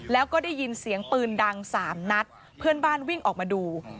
แล้วก็ได้ยินเสียงปืนดังสามนัดเพื่อนบ้านวิ่งออกมาดู